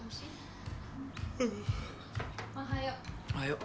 おはよう。